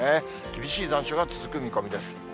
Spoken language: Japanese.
厳しい残暑が続く見込みです。